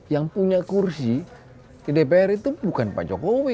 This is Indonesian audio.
yang punya kursi di dpr itu bukan pak jokowi